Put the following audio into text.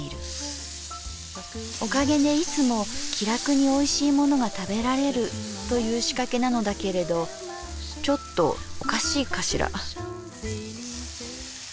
おかげでいつも気楽においしいものが食べられるという仕掛けなのだけれどちょっとおかしいかしら」。